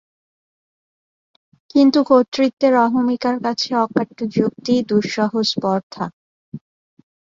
কিন্তু কর্তৃত্বের অহমিকার কাছে অকাট্য যুক্তিই দুঃসহ স্পর্ধা।